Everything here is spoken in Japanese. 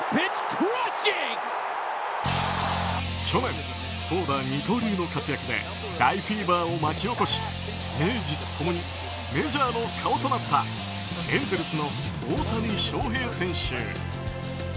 去年、投打二刀流の活躍で大フィーバーを巻き起こし名実共にメジャーの顔となったエンゼルスの大谷翔平選手。